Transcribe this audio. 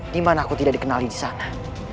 dimana aku tidak dikenali di sana